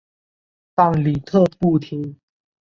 但李特不听。